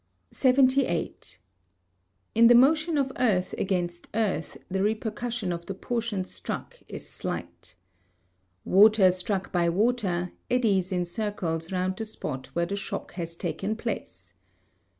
78. In the motion of earth against earth the repercussion of the portion struck is slight. Water struck by water, eddies in circles around the spot where the shock has taken place.